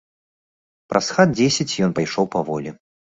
Праз хат дзесяць ён пайшоў паволі.